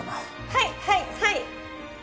はいはいはい。